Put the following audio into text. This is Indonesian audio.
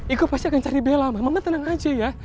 iko pasti akan cari bella ma mama tenang aja ya